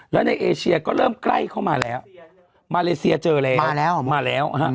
แล้วในเอเชียก็เริ่มใกล้เข้ามาแล้วมาเลเซียเจอแล้วมาแล้วฮะ